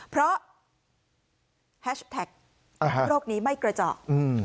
เพราะแฮชแท็กโรคนี้ไม่กระเจาะ